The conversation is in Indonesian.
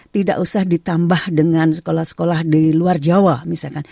tidak usah ditambah dengan sekolah sekolah di luar jawa misalkan